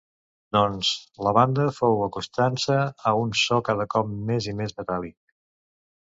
Doncs, la banda fou acostant-se a un so cada cop més i més metàl·lic.